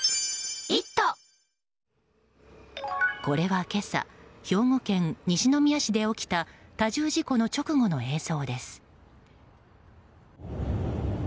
これは今朝兵庫県西宮市で起きた多重事故の直後の映像です。